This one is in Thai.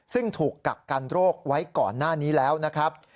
ซึ่งถูกกักกันโรคไว้ก่อนหน้านี้แล้วนะครับ